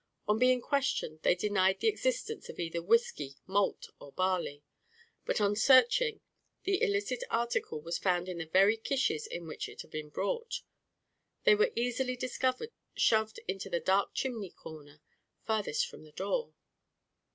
On being questioned they denied the existence of either whiskey, malt, or barley; but on searching, the illicit article was found in the very kishes in which it had been brought; they were easily discovered shoved into the dark chimney corner farthest from the door.